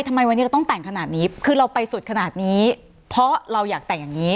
ทำไมวันนี้เราต้องแต่งขนาดนี้คือเราไปสุดขนาดนี้เพราะเราอยากแต่งอย่างนี้